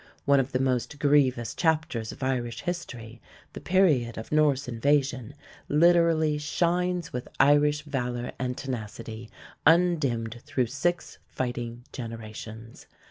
One of the most grievous chapters of Irish history, the period of Norse invasion, literally shines with Irish valor and tenacity, undimmed through six fighting generations.